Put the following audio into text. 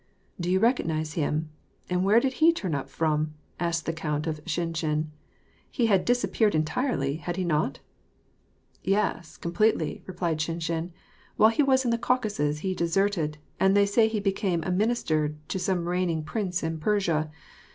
" Did you recognize him ? and where did he turn up from ?" asked the count of Shinshin. " He had disappeared entirely, had he not ?" "Yes, completely," replied Shinshin. "While he was in the Caucasus he deserted, and they say he became minister to some reigning prince in Persia.